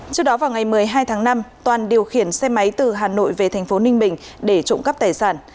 trước đó vào ngày một mươi hai tháng năm toàn điều khiển xe máy từ hà nội về thành phố ninh bình để trộm cắp tài sản